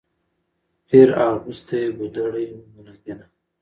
پیر اغوستې ګودړۍ وه ملنګینه